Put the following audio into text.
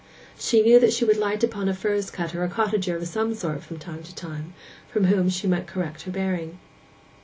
She knew that she would light upon a furze cutter or cottager of some sort from time to time, from whom she might correct her bearing.